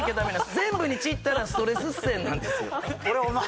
全部に散ったらストレス線なんですよ